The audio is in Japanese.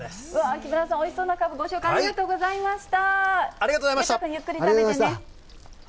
木村さん、おいしそうなかぶ、ありがとうございました。